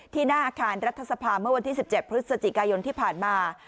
หน้าอาคารรัฐสภาเมื่อวันที่๑๗พฤศจิกายนที่ผ่านมา